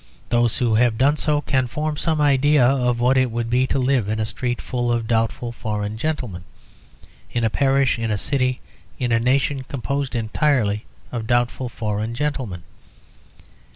Those who have done so can form some idea of what it would be to live in a street full of doubtful foreign gentlemen, in a parish, in a city, in a nation composed entirely of doubtful foreign gentlemen.